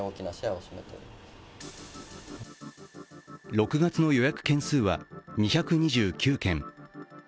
６月の予約件数は２２９件。